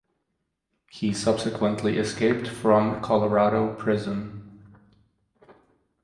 He subsequently escaped from Colorado prison.